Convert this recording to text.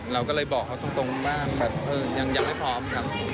เราก็เลยบอกเขาตรงบ้างแบบยังไม่พร้อมครับ